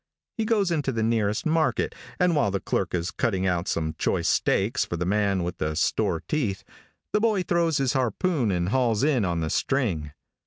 He goes into the nearest market, and while the clerk is cutting out some choice steaks for the man with the store teeth, the boy throws his harpoon and hauls in on the string.